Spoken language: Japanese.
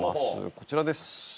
こちらです。